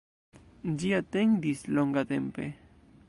Ĝi atendis longatempe.